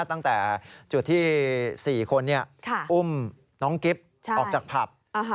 ตั้งแต่จุดที่๔คนอุ้มน้องกิ๊บออกจากผับ